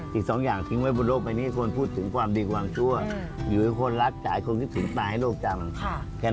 แต่บางคนไม่รู้นึกว่าเขาเป็นอะไรคิดผิดมาก